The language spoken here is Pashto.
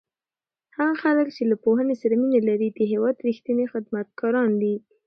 هغه خلک چې له پوهنې سره مینه لري د هېواد رښتیني خدمتګاران دي.